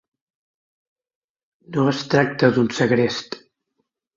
No es tracta d'un segrest.